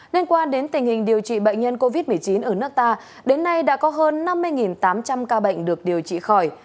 liên quan đến tình hình điều trị bệnh nhân covid một mươi chín ở nước ta đến nay đã có hơn năm mươi tám trăm linh ca bệnh được điều trị khỏi